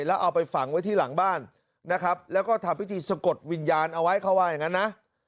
แล้วเอาไปฝังไว้ที่หลังบ้านนะครับแล้วก็ทำพิธีสะกดวิญญาณเอาไว้เขาว่าอย่างนั้นนะ